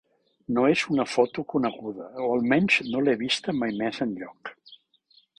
No és una foto coneguda, o almenys no l'he vista mai més enlloc.